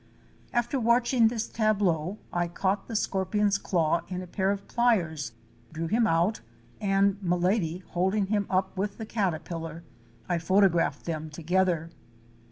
After watching this tableau I caught the scorpion's claw in a pair of pliers, drew him out, and, Milady holding him up with the caterpillar, I photographed them together.